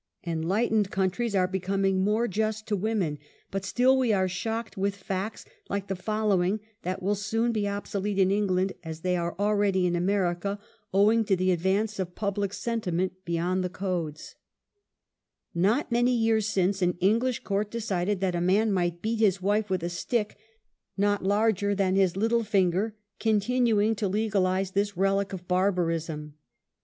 Enlightened countries are becoming more just tO' women, but still we are shocked with facts like the following that v/ill soon be obsolete in England, as they are already in America, owing to the advance of public sentiment beyond the codes : EQUALITY. 15^ ]^ot many years since an English court decided^ that a man might beat his wife with a stick not larger than his little finger, continuing to legalize this relic of barbarism.